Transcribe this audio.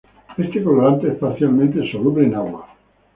Este colorante es parcialmente soluble en agua.